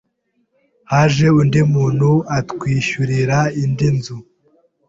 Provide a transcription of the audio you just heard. Haje undi muntu atwishyurira indi nzu